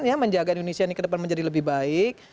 ya menjaga indonesia ini ke depan menjadi lebih baik